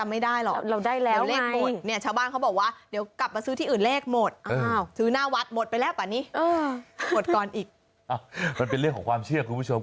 มันเป็นเรื่องของความเชื่อคุณผู้ชม